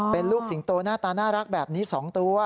เป็นลูกสิงโตหน้าตาน่ารักแบบนี้๒ตัว